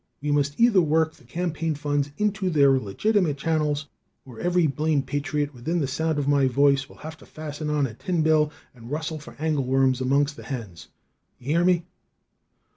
We must either work the campaign funds into their legitimate channels, or every blamed patriot within the sound of my voice will have to fasten on a tin bill and rustle for angle worms amongst the hens. You hear me?"